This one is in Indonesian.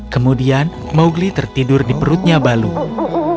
kemudian mowgli tertidur di perutnya balung